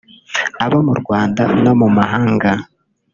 abo mu Rwanda no mu mahanga’